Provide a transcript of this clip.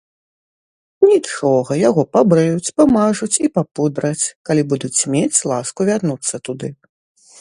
Нічога, яго пабрыюць, памажуць і папудраць, калі будуць мець ласку вярнуцца туды.